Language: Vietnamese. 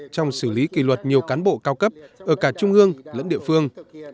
trong xử lý kỷ luật nhiều cán bộ cao cấp ở cả trung ương lẫn địa phương